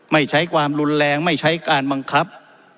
ไม่ใช้ความรุนแรงไม่ใช้การบังคับ